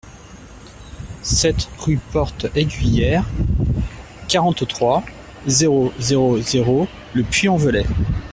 sept rue Porte Aiguière, quarante-trois, zéro zéro zéro, Le Puy-en-Velay